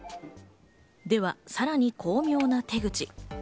では、さらに巧妙な手口。